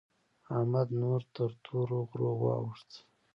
احمد نور تر تورو غرو واوښت.